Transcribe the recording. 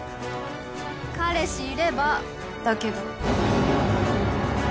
彼氏いればだけど。